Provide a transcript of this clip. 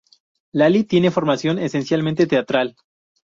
Lali tiene formación esencialmente teatral.